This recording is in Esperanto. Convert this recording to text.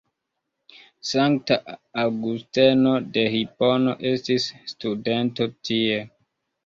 Sankta Aŭgusteno de Hipono estis studento tie.